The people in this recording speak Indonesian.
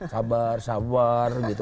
sabar sabar gitu